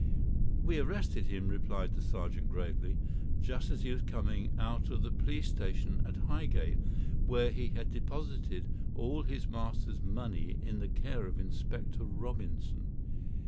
"We arrested him," replied the sergeant gravely, "just as he was coming out of the police station at Highgate, where he had deposited all his master's money in the care of Inspector Robinson."